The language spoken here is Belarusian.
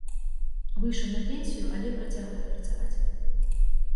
Выйшаў на пенсію, але працягвае працаваць.